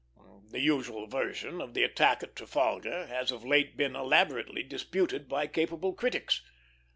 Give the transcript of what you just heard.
The usual version of the attack at Trafalgar has of late been elaborately disputed by capable critics.